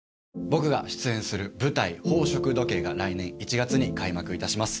僕が出演する舞台、宝飾時計が、来年１月に開幕いたします。